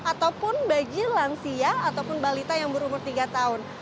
ataupun bagi lansia ataupun balita yang berumur tiga tahun